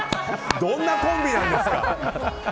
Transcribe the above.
どんなコンビですか。